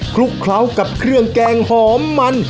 ลุกเคล้ากับเครื่องแกงหอมมัน